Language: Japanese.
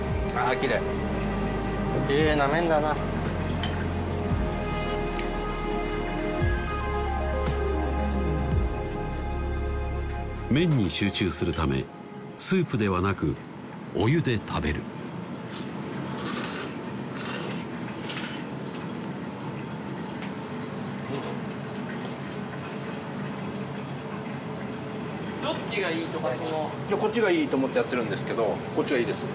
きれいきれいな麺だな麺に集中するためスープではなくお湯で食べるどっちがいいとかそのいやこっちがいいと思ってやってるんですけどこっちがいいです